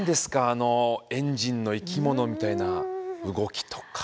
あのエンジンの生き物みたいな動きとか。